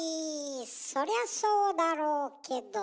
そりゃそうだろうけど。